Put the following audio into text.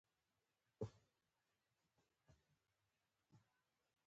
زموږ انډيوالانو د ثقيل ډزې کولې.